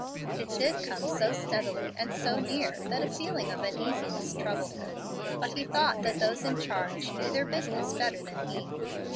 It did come so steadily and so near that a feeling of uneasiness troubled him, but he thought that those in charge knew their business better than he.